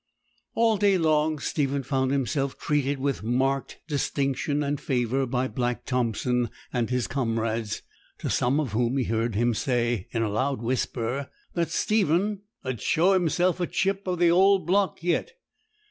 All day long Stephen found himself treated with marked distinction and favour by Black Thompson and his comrades, to some of whom he heard him say, in a loud whisper, that 'Stephen 'ud show himself a chip of the old block yet.'